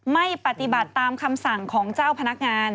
ไม่ปฏิบัติตามคำสั่งของเจ้าพนักงาน